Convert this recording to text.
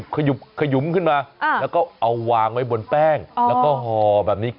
ขยุมขึ้นมาแล้วก็เอาวางไว้บนแป้งแล้วก็ห่อแบบนี้